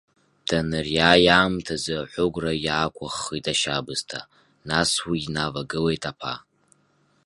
Даныриааи аамҭазы аҳәыгәра иаақәыххит ашьабысҭа, нас уи инавагылеит аԥа.